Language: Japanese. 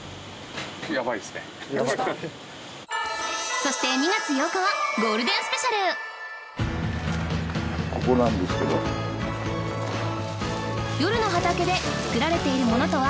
そして２月８日はゴールデンスペシャル夜の畑で作られているものとは？